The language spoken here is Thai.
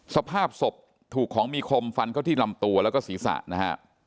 สภาพศพถูกของมีคมฟันเข้าที่ลำตัวแล้วก็ศีรษะนะฮะ